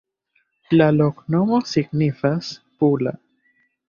La loknomo signifas: pula.